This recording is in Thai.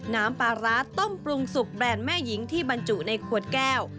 น้ำปลาร้าต้มปรุงสุกแบรนด์แม่หญิงที่บรรจุในขวดแก้ว